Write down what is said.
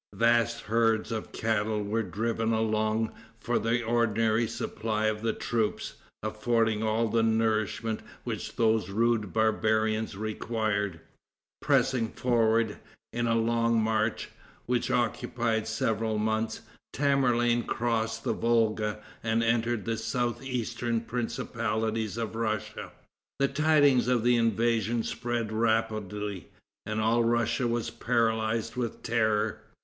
Vast herds of cattle were driven along for the ordinary supply of the troops, affording all the nourishment which those rude barbarians required. Pressing forward, in a long march, which occupied several months, Tamerlane crossed the Volga, and entered the south eastern principalities of Russia. The tidings of the invasion spread rapidly, and all Russia was paralyzed with terror.